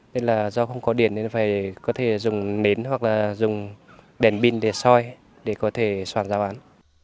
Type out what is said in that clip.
nên là do không có điện nên phải có thể dùng nến hoặc là dùng đèn pin để soi để có thể soạn giao bán